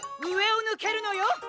うえをぬけるのよ！